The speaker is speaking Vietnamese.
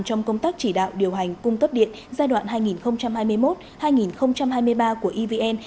trong công tác chỉ đạo điều hành cung cấp điện giai đoạn hai nghìn hai mươi một hai nghìn hai mươi ba của evn